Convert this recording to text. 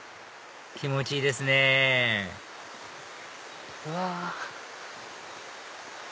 気持ちいいですねうわ！